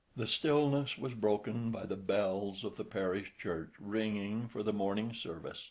The stillness was broken by the bells of the parish church ringing for the morning service.